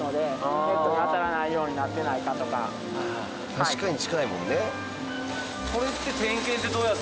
確かに近いもんね。